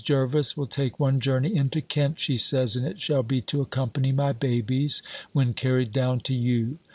Jervis will take one journey into Kent, she says, and it shall be to accompany my babies, when carried down to you.